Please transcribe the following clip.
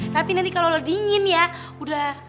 tapi nanti kalo lo dingin ya udah